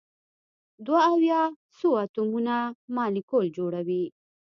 دوه او یا څو اتومونه مالیکول جوړوي.